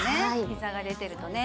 ひざが出てるとね